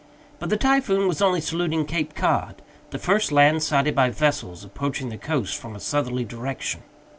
But the Typhoon was only saluting Cape Cod the first land sighted by vessels approaching the coast from a southerly direction.